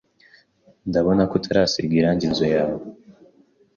Ndabona ko utarisiga irangi inzu yawe.